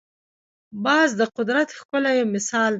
باز د قدرت ښکلی مثال دی